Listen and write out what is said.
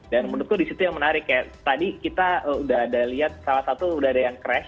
dan menurutku di situ yang menarik ya tadi kita sudah ada lihat salah satu sudah ada yang crash